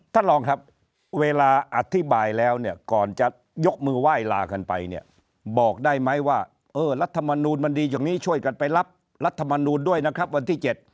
ท่านรองครับเวลาอธิบายแล้วเนี่ยก่อนจะยกมือไหว้ลากันไปเนี่ยบอกได้ไหมว่าเออรัฐมนูลมันดีอย่างนี้ช่วยกันไปรับรัฐมนูลด้วยนะครับวันที่๗